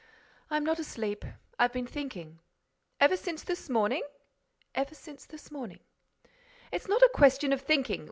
"I'm not asleep. I've been thinking." "Ever since this morning?" "Ever since this morning." "It's not a question of thinking!